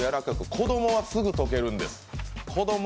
子供はすぐ解けるんです。